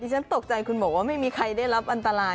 ฉันตกใจคุณบอกว่าไม่มีใครได้รับอันตราย